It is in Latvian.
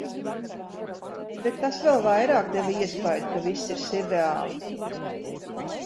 Bet tas vēl vairāk deva iespaidu, ka viss ir sirreāli.